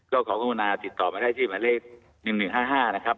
ก็ขอกรุณาติดต่อมาได้ที่หมายเลข๑๑๕๕นะครับ